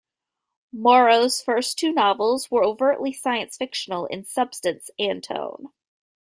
Morrow's first two novels were overtly science-fictional in substance and tone.